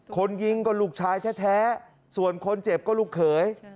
คนยิงก็ลูกชายแท้ส่วนคนเจ็บก็ลูกเขย